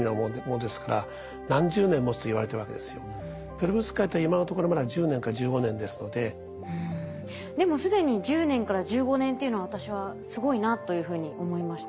ペロブスカイトに対してでも既に１０年から１５年っていうのは私はすごいなというふうに思いました。